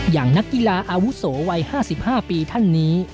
อย่างนักกีฬาอาวุโสวัย๕๕ปีท่านนี้